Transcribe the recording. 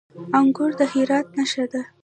انګور د هرات نښه ده.